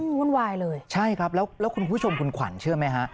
วุ่นวายเลยใช่ครับแล้วแล้วคุณผู้ชมคุณขวัญเชื่อไหมฮะ